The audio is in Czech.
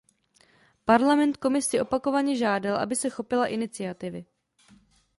Parlament Komisi opakovaně žádal, aby se chopila iniciativy.